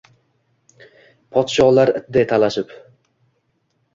Podsholar itday talashib